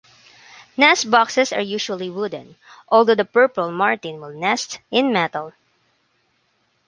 Nest boxes are usually wooden, although the purple martin will nest in metal.